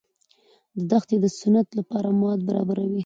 دښتې د صنعت لپاره مواد برابروي.